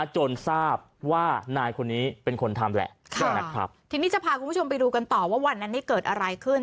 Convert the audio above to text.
จนทราบว่านายคนนี้เป็นคนทำแหละนะครับทีนี้จะพาคุณผู้ชมไปดูกันต่อว่าวันนั้นนี้เกิดอะไรขึ้น